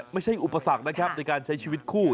อุปสรรคนะครับในการใช้ชีวิตคู่